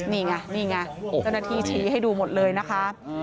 นี่ไงนี่ไงเจ้าหน้าที่ชี้ให้ดูหมดเลยนะคะ